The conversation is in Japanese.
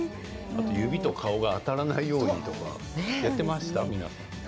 指と顔が当たらないようにと言われていましたけど。